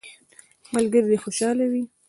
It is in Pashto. ملګري دي خوشحاله وي.